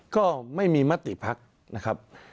ก็ไม่มีมัตติพักนะครับ